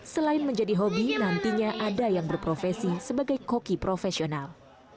selain menjadi hobi nantinya ada yang berprofesi sebagai koki profesional